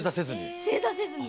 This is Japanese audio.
正座せずに。